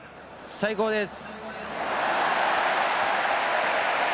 最高です。